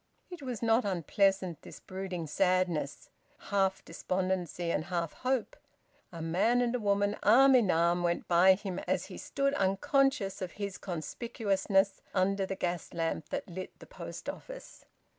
It was not unpleasant, this brooding sadness, half despondency and half hope. A man and a woman, arm in arm, went by him as he stood unconscious of his conspicuousness under the gas lamp that lit the post office.